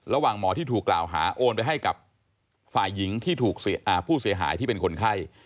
ระหว่างหมอที่ถูกกล่าวหาโอนไปให้กับฝ่ายหญิงที่ถูกผู้เสียหายที่เป็นคนไข้